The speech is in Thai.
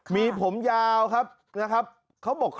มีผมยาวครับ